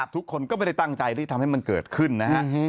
ทุกคนก็ไม่ได้ตั้งใจที่ทำให้มันเกิดขึ้นนะฮะ